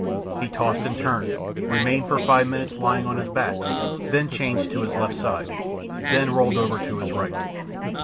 He tossed and turned, remained for five minutes lying on his back, then changed to his left side, then rolled over to his right.